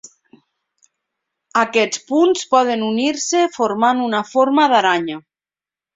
Aquests punts poden unir-se formant una forma d'aranya.